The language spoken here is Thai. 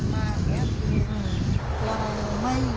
เราไม่รู้เรื่องสะท้ายสุดนี้เลยเพราะว่ามันเป็นเรื่องส่วนตัวของเขา